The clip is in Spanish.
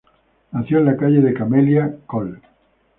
Nació en la calle de Camelia, Col.